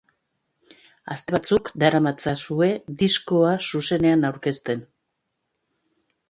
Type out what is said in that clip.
Aste batzuk daramatzazue diskoa zuzenean aurkezten.